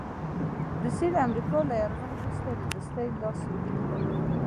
روسیې د امریکا له یرغل وروسته د دوستۍ لاس اوږد کړ.